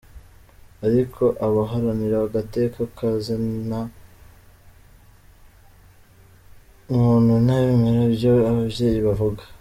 Ariko abaharanira agateka ka zina muntu ntibemera ivyo abo bavyeyi bavuga.